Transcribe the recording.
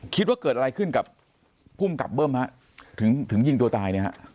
คิดว่าเกิดอะไรขึ้นกับภูมิกับเบิ้มฮะถึงยิงตัวตายเนี่ยฮะ